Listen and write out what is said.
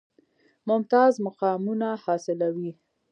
ممتاز مقامونه حاصلوي.